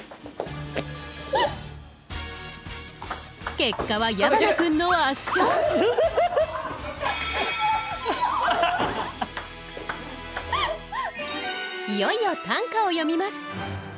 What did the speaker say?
結果は矢花君の圧勝いよいよ短歌を詠みます。